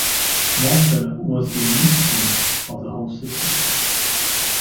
Malta was the lynch-pin of the whole system.